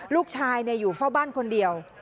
ลูกชายอยู่เฝ้าบ้านคนเดียว